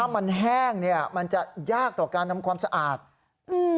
มันแห้งเนี้ยมันจะยากต่อการทำความสะอาดอืม